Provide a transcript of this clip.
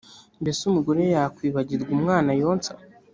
mbese umugore yakwibagirwa umwana yonsa